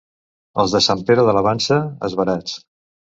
Els de Sant Pere de la Vansa, esverats.